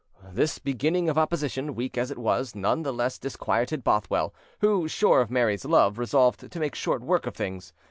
This beginning of opposition, weak as it was, none the less disquieted Bothwell, who, sure of Mary's love, resolved to make short work of things.